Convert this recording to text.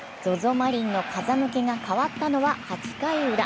マリンの風向きが変わったのは８回ウラ。